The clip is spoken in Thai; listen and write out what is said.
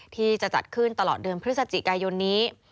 ที่จะจัดขึ้นตลอดเดือนพฤศจิกายนนี้